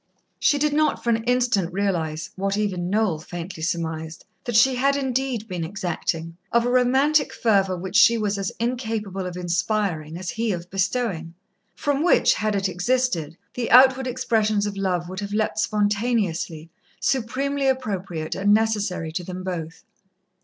She did not for an instant realize, what even Noel faintly surmised, that she had indeed been exacting, of a romantic fervour which she was as incapable 'of inspiring as he of bestowing; from which, had it existed, the outward expressions of love would have leapt spontaneously, supremely appropriate, and necessary to them both.